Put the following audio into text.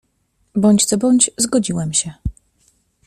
"Bądź co bądź, zgodziłem się."